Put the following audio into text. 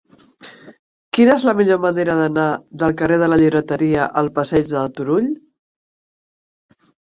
Quina és la millor manera d'anar del carrer de la Llibreteria al passeig de Turull?